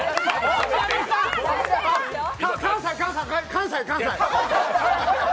関西、関西。